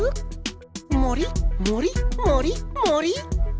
もりもりもりもり！